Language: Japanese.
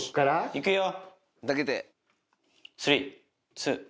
いくよ。